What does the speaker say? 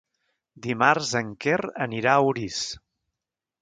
Dimarts en Quer anirà a Orís.